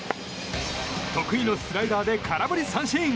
得意のスライダーで空振り三振。